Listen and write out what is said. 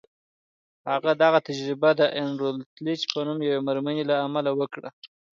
هغه دغه تجربه د ان روتليج په نوم يوې مېرمنې له امله وکړه.